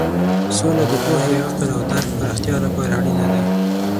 سوله د پوهې، عقل او درک پراختیا لپاره اړینه ده.